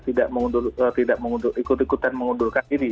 ikut ikutan mengundurkan diri